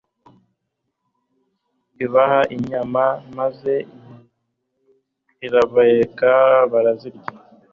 ibaha inyama maze irabareka barazirya